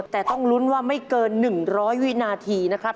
แต่ต้องลุ้นว่าไม่เกิน๑๐๐วินาทีนะครับ